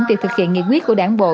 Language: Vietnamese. việc thực hiện nghị quyết của đảng bộ